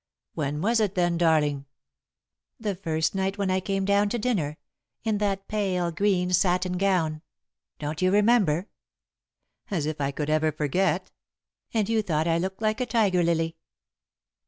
"When was it, then, darling?" "The first night, when I came down to dinner, in that pale green satin gown. Don't you remember?" "As if I could ever forget!" "And you thought I looked like a tiger lily."